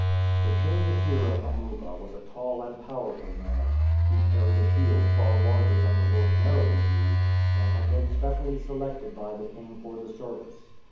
The charioteer of Amuba was a tall and powerful man; he carried a shield far larger than was ordinarily used, and had been specially selected by the king for the service.